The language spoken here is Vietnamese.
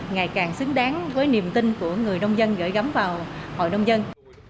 ngày càng xứng đáng với niềm tin của người nông dân gửi gắm vào hội nông dân